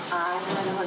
なるほど。